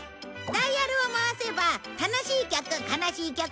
ダイヤルを回せば楽しい曲悲しい曲